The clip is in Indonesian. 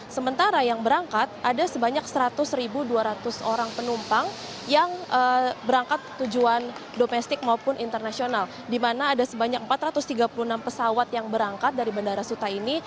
sementara yang berangkat ada sebanyak seratus dua ratus orang penumpang yang berangkat tujuan domestik maupun internasional di mana ada sebanyak empat ratus tiga puluh enam pesawat yang berangkat dari bandara suta ini